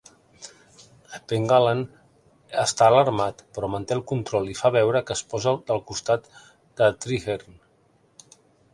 Pengallan està alarmat, però manté el control i fa veure que es posa del costat de Trehearne.